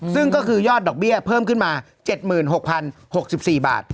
ซึ่งก็คือยอดดอกเบี้ยเพิ่มขึ้นมา๗๖๐๖๔บาท